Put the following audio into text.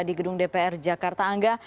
di gedung dpr jakarta angga